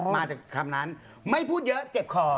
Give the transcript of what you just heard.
มาจากคำนั้นไม่พูดเยอะเจ็บคอ